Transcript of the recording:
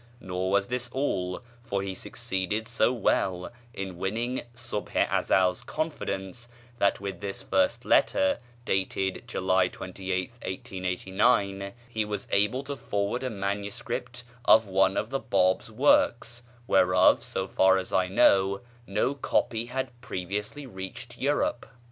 Nor was this all; for he succeeded so well in winning Subh i Ezel's confidence that with this first letter (dated July 28th, 1889) he was able to forward a MS. of one of the Báb's works, whereof, so far as I know, no copy had previously reached Europe.